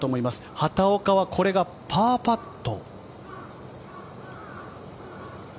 畑岡はこれがパーパット。